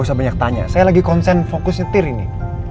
usah banyak tanya saya lagi konsen fokus nyetir ini